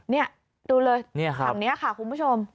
นี่ดูเลยฝั่งนี้ค่ะคุณผู้ชม